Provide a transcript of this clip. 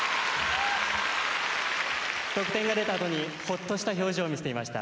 得点が出たあとにほっとした表情を見せていました。